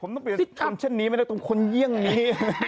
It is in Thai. ก็มาเป็นเค้าเช่นนี้ไม่ได้ตรงคนเยี่ยงนี้